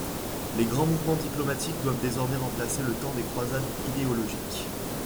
Les grands mouvements diplomatiques doivent désormais remplacer le temps des croisades idéologiques.